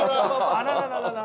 あららららら。